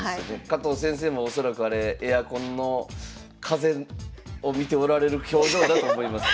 加藤先生も恐らくあれエアコンの風を見ておられる表情だと思います。